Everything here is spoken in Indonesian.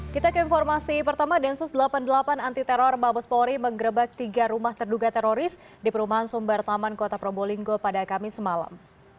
kita ke informasi pertama densus delapan puluh delapan anti teror mabes polri menggerebek tiga rumah terduga teroris di perumahan sumber taman kota probolinggo pada kamis malam